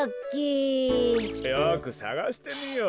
よくさがしてみよう。